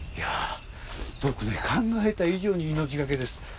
僕ね、考えた以上に命がけです。